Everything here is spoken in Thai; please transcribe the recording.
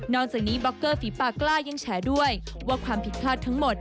จากนี้บล็อกเกอร์ฝีปากกล้ายังแฉด้วยว่าความผิดพลาดทั้งหมด